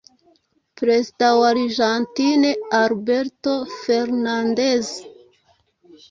Perezida wa Argentine Alberto Fernandez